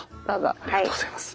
ありがとうございます。